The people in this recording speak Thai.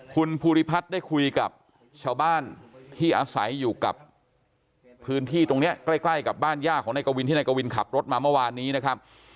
คุณภูริพัฒน์ได้คุยกับชาวบ้านที่อาศัยอยู่กับพื้นที่ตรงนี้ใกล้ใกล้กับบ้านย่าของนายกวินที่นายกวินขับรถมาเมื่อวานนี้นะครับ